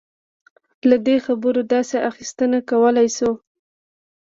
له دې خبرو داسې اخیستنه کولای شو.